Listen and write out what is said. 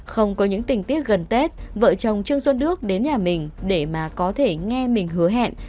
không có những tình tiết gần tết vợ chồng trương xuân đức đến nhà mình để mà có thể nghe mình hứa hẹn